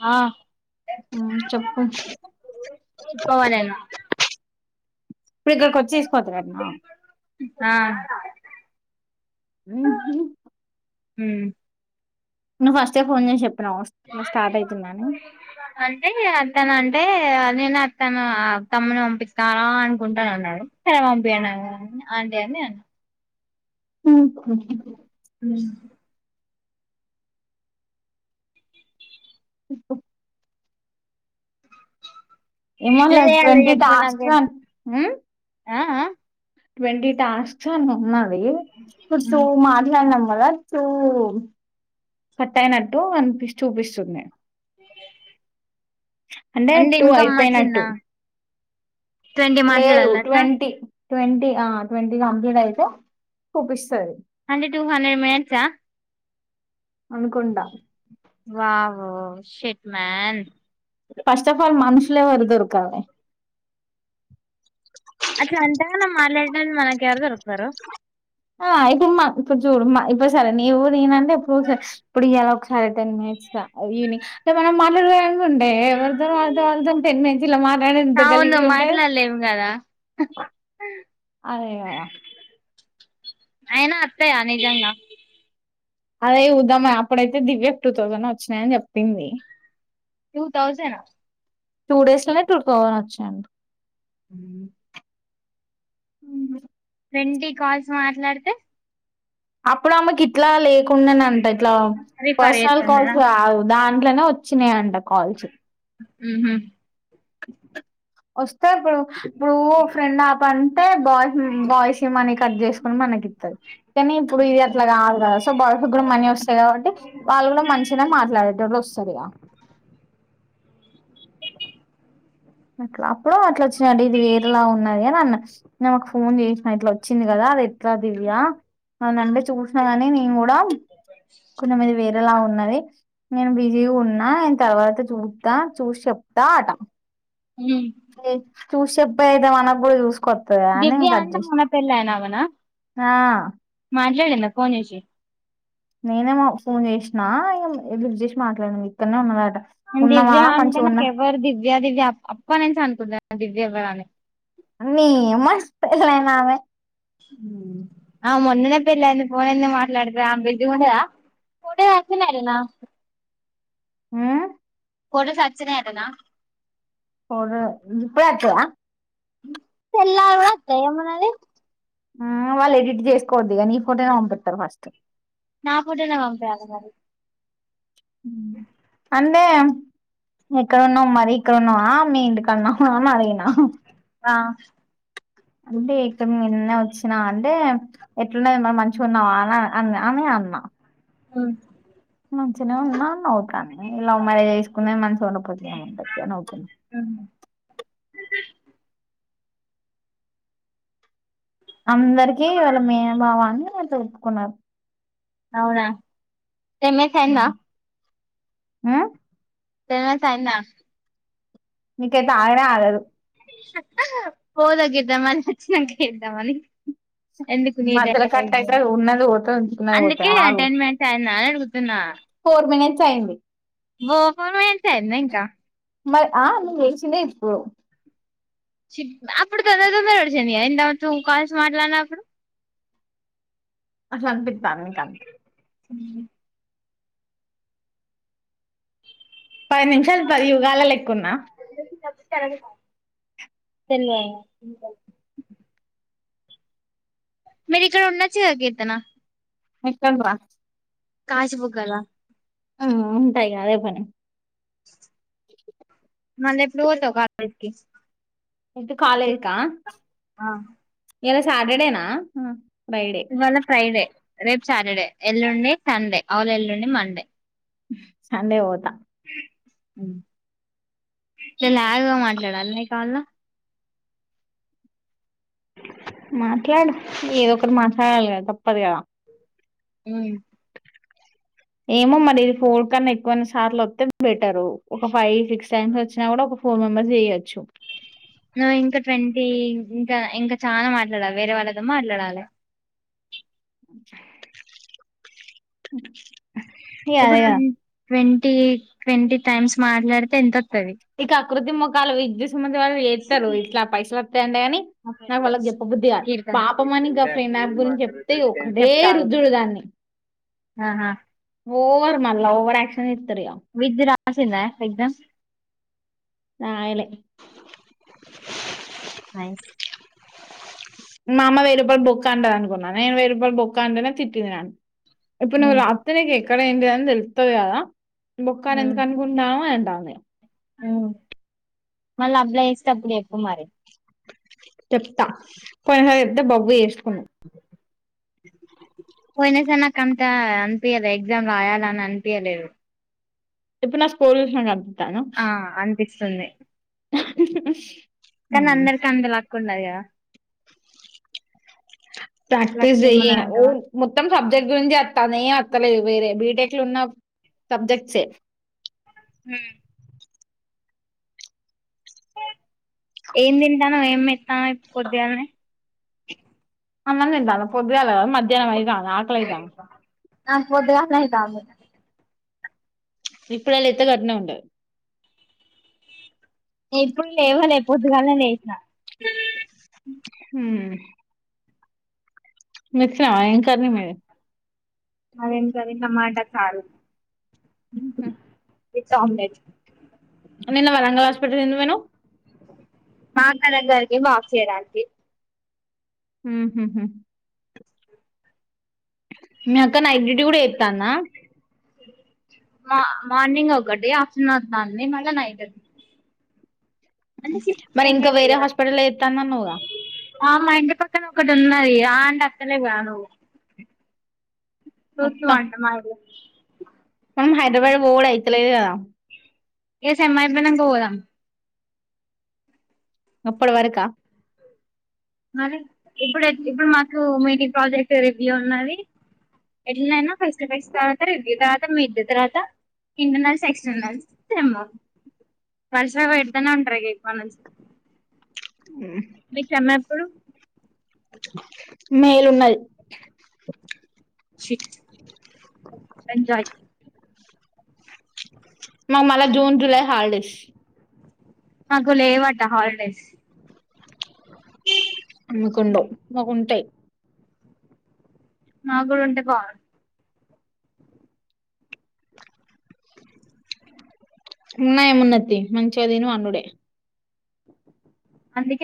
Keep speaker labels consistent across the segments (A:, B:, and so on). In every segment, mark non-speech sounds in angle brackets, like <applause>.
A: ఆ
B: ఆ చెప్పు
A: చెప్పుకోవాలేను
B: ఇప్పుడు ఇక్కడికి వచ్చి తీసుకువోతడటన
A: ఆ
B: ఉహూ
A: హుమ్
B: నువ్ ఫస్టే ఏ ఫోన్ చేసి చెప్పు
A: అంటే తను అన్ అంటే నేను అ తను తమ్ముని పంపిస్తాను అనుకుంటాను అన్నాడు సరే పంపియండి ఆంటీ అని నేను అన్న
B: హుమ్
A: ఉమ్ ఎట్లా
B: ఎమోలే
A: చేయాలి
B: ట్వంటీ
A: చెప్పు
B: టాస్క్
A: నాకు
B: లన్ హు
A: ఆ ఆ
B: ట్వంటిీ టాస్క్ ఏమో ఉన్నాయి ఈ ఇప్పుడు టు మాట్లాడినం కదా టు కట్ అయినట్టు అని చూపిస్తుది అంటే టూ
A: ఇన్కమ్
B: అయిపోయినట్టు
A: వచ్చిందా ట్వంటీ
B: లేదు
A: మాట్లాడాలి అట్లా
B: ట్వంటీ ట్వంటీ ఆ ట్వంటీ కంప్లీట్ అయితే చూపిస్తది
A: అంటే టూ హండ్రెడ్ మినట్సాఆ
B: అనుకుంటా
A: వావ్వో షెట్ మన్
B: ఫస్ట్ ఆఫ్ ఆల్ మనుషులే వరుదొరుకాలే
A: అట్లా అంటాన్న మారలే మన్ మనకి ఎవరు దొరుకుతారు
B: ఆ ఇప్పుడు మా ఇప్పుడు చూడు మా ఇప్ సరే నీవు నేనంటే ఎప్పుడోసారి ఇప్పుడు ఏలా సరే టెన్ మినిట్స్ గ అ ఈవినింగ్ సో మనం మాట్లాడుకుంటుంటే వద్దు వద్దు వద్దున్ టెన్ మినిట్ ఇలా మాట్లాడింటె ఇంత
A: అవును
B: గలీజుగ ఉంటది
A: మాట్లాడలేము కదా అయినా అత్తయా నిజంగా
B: అదే చుద్దామా అప్పుడైతే దివ్యకి టూ తౌసండ్ వచ్చినాయి అని చెప్పింది
A: టూ తౌజను
B: టూ డేస్ లోనే టూ తౌసండ్ వచ్చినాయంట
A: హ్మ్
B: మ్మ్
A: ట్వంటీ కాల్స్ మాట్లాడితే
B: అప్పుడు ఆమెకి ఇట్లా లేకుండెనంట ఇట్లా
A: రిఫర్
B: పర్సనల్ కాల్స్
A: చేస్తున్నారా
B: కాదు దాన్ ఇట్లనే వచ్చిన్యాయంట
A: ఉ హుమ్
B: వస్త్ తే ప్పుడు నువు ఫ్రెండ్ ఆప్ అంటే బాయ్ బాయ్స్ మనీ కట్ చేసుకుని మనకి ఇత్తది. కానీ ఇప్పుడు ఇది అట్లా కాదు కదా సో బాయ్స్ కూడా మనీ వస్తాయి కాబట్టి వాళ్ళు కూడా మంచిగానే మాట్లాడేటోళ్ళు వస్సాదిగా అట్లా అప్పుడు అట్లచ్ అది ఇది వేరేలా ఉన్నది అని అన్న నే ఒక ఫోన్ చేసిన ఇట్లా వచ్చింది కదా అది ఎట్లా దివ్యా అనంటే చూసినా గానీ నేను కూడా కొంచెం ఇది వేరేలా ఉన్నది. నేను బి జీ ఉన్నా ఆయన తర్వాత చూత్తా చూసి చెప్తా ఆట ఎ చూసబ్ పోయ్ అయితే మనకు కూడా చూసుకొత్తదా అని
A: దివ్య
B: ఇంక కట్
A: అంటే
B: జేసి
A: మొన్న పెళ్ళైన
B: ఆ
A: లేదన్న ఫోన్ చేసి
B: నేనే మా ఫోన్ చేసిన ఇక లిఫ్ట్ చేసి మాట్లాడినా ఇక్కడనే ఉన్నదట్
A: దివ్య అంటే నాకు ఎవరు దివ్య దివ్య అప్ అప్ప నుంచి అనుకుంటన ఆ దివ్య ఎవ్వరాని
B: నీ యమ పెళ్లైనామె
A: మ్ ఆమె మొన్ననే పెళ్ళంది ఫోన్ ఎంది మాట్లాడతది ఆమే బిజిగా ఉండదా
B: హ్మ్
A: కొడు సచ్చినాయి అటన
B: గిప్పుడే వత్తద
A: తెల్లారి గూడా వత్తాయ్ ఏమనాలి
B: ఆ వాళ్ళు ఎడిట్ చేసుకోవద్దు ఇగ నీ ఫోటోనే పంపిత్తరు ఫస్టు
A: నా ఫోటోనే పంపియాల మరి
B: మ్మ్ అంటే ఇక్కడున్నాం మరి ఇక్కడ ఉన్నావా మీ ఇంటి కాన్న అ మారిగిన
A: ఆ
B: అంటే ఇక మినచ్చు విన అంటే ఎట్లుండది మరి మంచిగా ఉన్నావా అని అ అని అన్న
A: ఆ
B: మంచిగానే ఉన్న అన్నావు కాన్ని లవ్ మ్యారేజ్ చేసుకునే మనసు ఉన్నపోతే ఏమి ఉంటది నవ్కున్నా అందరికి వాళ్ళ మేన బావా అని అం తెప్పుకున్నారు
A: అవునా టెన్ మేన్స్ అయ్యిందా
B: ఆ
A: తెనాస్ అయ్యిందా
B: మీకైతే ఆగనే ఆగదు
A: పోదాగ గిద్దమరి వచ్చిన గిద్దమరి
B: మధ్యల కట్ అయితే ఉన్నది పోతే ఉంచుకున్నది పోత
A: అందుకే
B: ఆగు
A: టెన్ మినిట్స్ అయిందా అని
B: ఫోర్ మనిట్ చయండి
A: వ ఫో మెంటాయేది ఇంకా
B: మరి ఆ నేన్ లేచిందే ఇప్పు
A: చిన్ అప్పుడు తొందరగా తొందరగా ఓడుచింది గదా ఏందో టు కాల్స్ మాట్లాడిన అప్పుడు
B: అసలు అనిపింతందా నిక్ అంత్
A: ఉహు
B: పది నిమిషాలు పదియుగాలా లెక్క ఉన్నా
A: కారం తెవే మీరు ఇక్కడ ఉండచ్చు గదా కీర్తన
B: ఎక్కడ్రా
A: కాజ్ బుకాల
B: ఆ ఉంట ఇగ అదే పని
A: మళ్ళ ఎప్పుడు పోతావు కర్ కల్ కి
B: ఏంటి కాలేక ఇలా సాటర్డే నా ఆ
A: ఇవాళ ఫ్రైడే రేపు సాటర్డే ఎల్లుండి సండే ఆవుల్ ఎల్లుండి మండే
B: సండే ఓతా
A: ఇట్లా లాగ్గా మాట్లాడాల నీ కాల్ లు
B: మాట్లాడు ఏదో ఒకటి మాట్లాడాలి కదా తప్ప తప్పది కదా
A: ఉ
B: ఏమో మరి ఇది ఫోడ్ కన్నా ఎక్కువ అన్ని సార్లు వత్తే వెట్ టారు ఒక ఫైవ్ సిక్స్ టైమ్స్ వచ్చినా కూడా ఒక ఫోర్ మెంబర్స్ ఏయేచ్చు
A: నువ్వు ఇంకా ట్వంటీ ఇంకా ఇంకా చనా మాట్లాడాలి వేరే వాళ్ళతో మాట్లాడాలి
B: అ
A: ఇప్పుడు ట్వంటి ట్వంటీ టైమ్స్ మాట్లాడితే ఎంత వత్తది
B: ఇక అకృతి ముఖాలు విద్యుత్ సంబందిి వాళ్ళు వస్తారు ఇట్లా పైసలు అంతే అని నాకు వాళ్ళకి చెప్పబుద్ధిగా
A: కీర్తన
B: పాపమని ఇంకా ఫ్రెండ్ నా గురించి చెప్తే ఒకటే
A: చెప్తా ఆగు
B: రుదుడు దాన్ని
A: ఆహా
B: ఓవర్ మాల్ ఓవర్ యక్షన్ ఇత్రరుగా
A: విద్య రాసిందా ఎగ్జామ్
B: నళ్లే
A: నైస్
B: మా అమ్మ వెయ్యి రూపాయలు బొక్క అంటది అనుకున్నాను నేను వెయ్యి రూపాయ బొక్క అంటనే తిట్టింది నను ఇప్పుడు నువ్వు రాత్రనే కేక ఇక్కడ ఏంటిదని తెలుస్తుంది కదా బొక్కారు ఎందుకనుకుంటవా ఎంటాన్నా
A: మళ్ళ అప్లయ్ చేసేటప్పుడు చెప్పు మరి
B: చెప్త పో ఎద్ద బ పో ఎస్కున్నా
A: పోయినా సరే నాకు అంత అనిపిం చలే ఎగ్జామ్ రాయాల అని అనిపియలేరు
B: ఇప్పుడు నా స్కోర్ విషన్ క
A: ఆ అనిపిస్తుంది
B: ఓ
A: కానీ అందరికి అందలా కున్నాయా లక్
B: ప్రాక్టిస్
A: ఏమన్నా
B: జ ఓ
A: అంటవా
B: మొత్తం సబ్జెక్ట్ గురించి వస్తా నేం వత్తలేదు వేరే బీటెక్ లో ఉన్న సబ్జెక్ట్సే
A: హమ్ ఏం తింటాను ఏం ఎత్తాను పొద్దుగాని
B: అన్నం తిన్నటవ పొదు అల మ మధ్యాహ్నం ఇతా అక్ల ఇదా
A: నాకుపోద్దుగా కా
B: ఇప్పుడులా ఎంత కఘట్న ఉండ
A: ఇప్పుడు లేవలే పొద్దుగానే లేసిన
B: హమ్ మీ స ఇకని మే
A: అరేం కది టమాటా సారు
B: ఉహుమ్
A: విత్స్ ఆమ్లేడ్
B: నిన్న వరంగల్ హాస్పిటల్ కి ఎందుకు పోయిన
A: <unintelligible> బ్యాంక్ ఇయడానికి
B: ఉహుహు మీ అక్క నైట్ డ్యూటీ కూడా ఎతానా
A: మా మార్నింగ్ ఒకటి ఆఫ్టర్నూన్ <unintelligible> మళ్ళా నైట్ అ
B: మరి ఇంకా వేరే హాస్పిటల్ ఎత్తానన్నావుగా
A: అ మా ఇంటి పక్కన ఒక్కటి <unintelligible> అయ్యా <unintelligible> నువ్వు చూస్తూ
B: మొత్తా
A: అంట మా ఇల్లు
B: మ హైదరాబడ పోలేయితులే
A: ఏ సేమ్ అయిపోయినకా పోదాం
B: అప్పుడు వరక
A: మరి ఇప్పుడు ఇప్పుడు మాకు మీ ప్రాజెక్ట్ రివ్యూ ఉన్నది ఎట్లయినా ఫస్ట్ ఫస్ట్ తర్వాత రివ్యూ తర్వాత మిడ్ తర్వాత ఇంటర్నల్స్ ఎక్స్టర్నల్స్ వరసగా పెడదనే ఉంటారుక్ మ నుంచి మీ కన్నా
B: మేలున్నది
A: షట్ గంజాయి
B: మా మల్ల జూన్ జులై హాలిడేస్
A: మాకు ఏవాట హాలిడేస్
B: మీకు ఉండవ్ మాకు ఉంటాయి
A: మాక్కూడా ఉంటే బాగుండు
B: ఉన్నాయ ఉన్నతి <unintelligible> అనుడే
A: <unintelligible>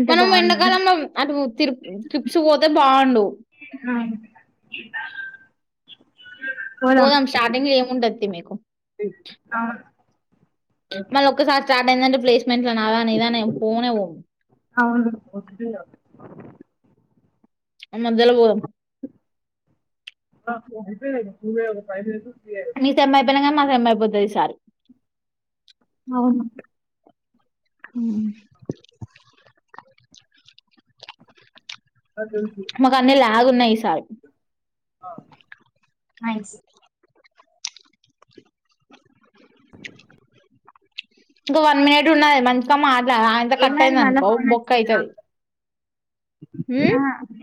A: ఉంటే
B: మనం
A: బాగుండు
B: ఎండాకాలంలో అటు తి త్రిప్స్ పోతే బాగుండు పోదాం స్టార్టింగ్ ఏం ఉంటది మీకు మళ్ళ ఒకసారి స్టార్ట్ అయ్యింది అంటే <unintelligible> నాదా నీదా పోనే పో <unintelligible> పోదాం
A: <unintelligible>
B: మీ సేమ్ అయ్యిపోయాక మా సేమ్ అయ్యిపోతాది ఈ సారి
A: అవును
B: ఉహు మాకు అన్నీ లెగ్ ఉన్నాయి ఈ సారి
A: నైస్
B: ఇగా వన్ మినిట్ ఉన్నది మంచిగా మా <unintelligible> కట్టట్
A: ఏమైంది
B: అయింది
A: మళ్ళా
B: అనుకో
A: ఫోన్
B: బుక్
A: వచ్చిందా
B: అయ్యితది
A: ఆ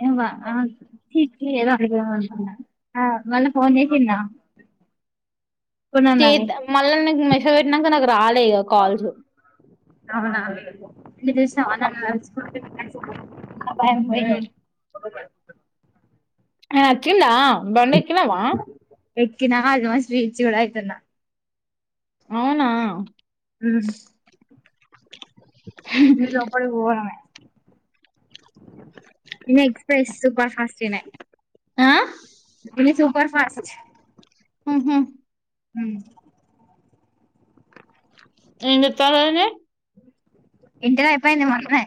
A: ఇవా మళ్ళ ఫోన్ చేసిందా కొన్నాన్నావి
B: చేద్ద మళ్ళ నాక్ మెస్ సేజ్ పెట్టినాక నాకు రాలె ఇగా కల్స్
A: అవునా అ భయం పోఇంది
B: ఆ అచ్చిందా బడెక్కి కినవా
A: ఎక్కినా అల్మోస్ట్ రిచ్ కూడా అయితున్నా
B: అవునా
A: ఆ మీరు లోపలికి పోవడమే ఇన్ ఎక్స్్రెస్ సూపర్ ఫాస్ట్ ఎనయే
B: ఆ
A: ఇది సుపర్ ఫాస్ట్
B: మ్ హు
A: హు
B: ఎం చేతర్రు ఆయనే
A: ఇంటర్ అయిపోయింది మొన్ననే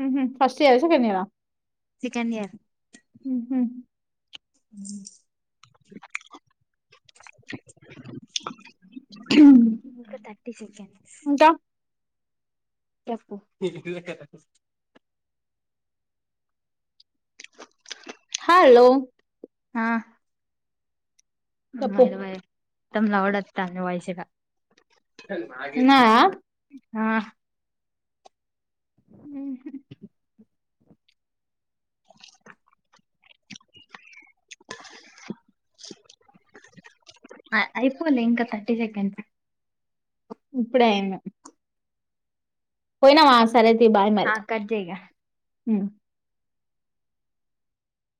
B: మ్ హు ఫస్ట్ ఇయర్ సెకండ్ ఇయర్ ఆ
A: సెకండ్ ఇయర్
B: హ
A: అ ఇంకా తర్టీ సెకండ్స్
B: ఇంకా
A: చెప్పు
B: హలో
A: ఆ
B: చెప్పు
A: మొత్తం లవుడ్ వాతంది వాయిస్ ఇగా చే
B: ఉన్నావా
A: ఆ
B: హ
A: అయిపోవలేి ఇంకా థర్టీ సెకండ్స్
B: ఇప్పుడే అయ్యిన్ది పోయినవా ఆస్ సరే తి బాయ్ మరి
A: ఆ కట్ చేయ్ ఇగ
B: హ